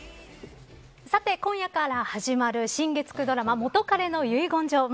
さて今夜から始まる新月９ドラマ元彼の遺言状。